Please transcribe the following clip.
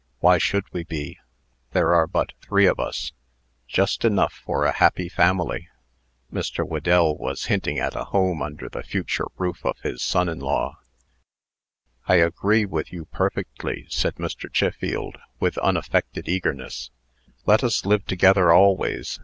Why should we be? There are but three of us just enough for a happy family." Mr. Whedell was hinting at a home under the future roof of his son in law. "I agree with you perfectly," said Mr. Chiffield, with unaffected eagerness. "Let us live together always.